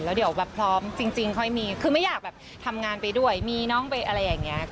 แล้วเดี๋ยวแบบพร้อมจริงค่อยมีคือไม่อยากแบบทำงานไปด้วยมีน้องไปอะไรอย่างนี้